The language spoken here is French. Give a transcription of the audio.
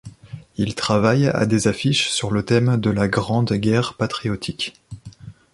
Il travaille à des affiches sur le thème de la grande guerre patriotique.